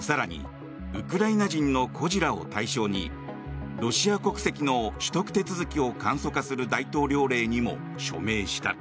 更に、ウクライナ人の孤児らを対象にロシア国籍の取得手続きを簡素化する大統領令にも署名した。